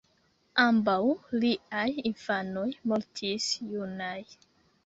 Ambaŭ liaj infanoj mortis junaj.